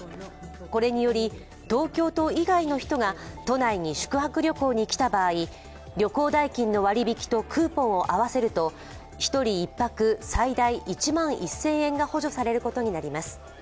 これにより東京都以外の人が都内に宿泊旅行に来た場合旅行代金の割引きとクーポンを合わせると１人１泊最大１万１０００円が補助されることになります。